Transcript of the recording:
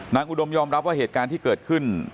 อุดมยอมรับว่าเหตุการณ์ที่เกิดขึ้น